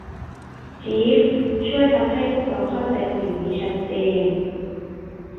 จีฟส์ ช่วยทำให้พวกเราเข้าใจสิ่งนี้ชัดเจน